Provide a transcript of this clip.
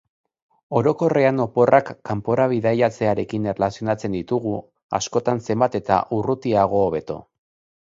Orokorrean oporrak kanpora bidaiatzearekin erlazionatzen ditugu, askotan zenbat eta urrutiago hobeto.